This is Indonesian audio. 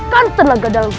kalaulah kamu dari suku